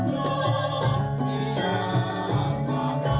film berulang kota